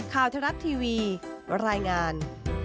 ข่าวทะลับทีวีรายงาน